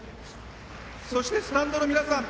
そしてスタンドの皆さん